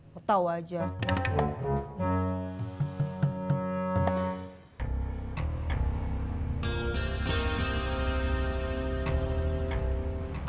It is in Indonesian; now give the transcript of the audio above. lo tau aja